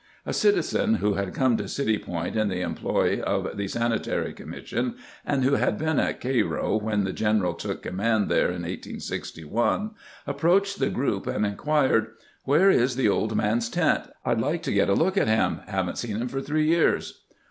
A citizen who had come to City Point in the employ of the Sanitary Commission, and who had been at Cairo when the general took com mand there in 1861, approached the group and inquired :" Where is the old man's tent ? I 'd like to get a look at him ; have n't seen him for three years."